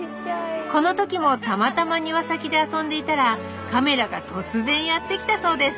この時もたまたま庭先で遊んでいたらカメラが突然やって来たそうです